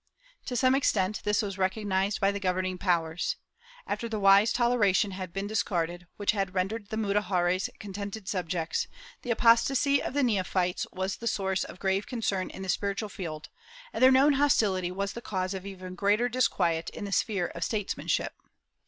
To some extent this was recognized by the governing powers. After the wise toleration had been dis carded, which had rendered the Mudejares contented subjects, the apostasy of the neophytes was the source of grave concern in the spiritual field, and their known hostility was the cause of even greater disquiet in the sphere of statesmanship.